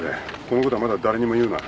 このことはまだ誰にも言うな。